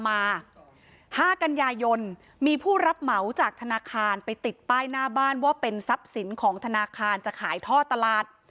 ห้ากันยายนมีผู้รับเหมาจากธนาคารไปติดป้ายหน้าบ้านว่าเป็นทรัพย์สินของธนาคารจะขายท่อตลาด